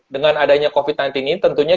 dengan adanya covid sembilan belas ini tentunya